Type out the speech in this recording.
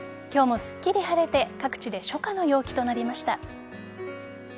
今日もすっきり晴れて各地で初夏の陽気となりました。